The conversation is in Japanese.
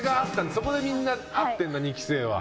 そこでみんな会ってんだ二期生は。